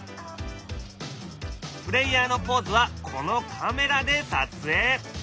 プレーヤーのポーズはこのカメラで撮影。